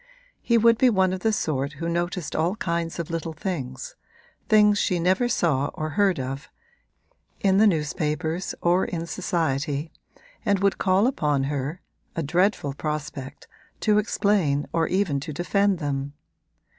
He would be one of the sort who noticed all kinds of little things things she never saw or heard of in the newspapers or in society, and would call upon her (a dreadful prospect) to explain or even to defend them.